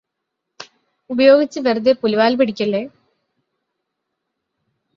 ഉപയോഗിച്ച് വെറുതെ പുലിവാല് പിടിക്കല്ലേ